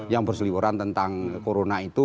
yang berseliwaran tentang corona itu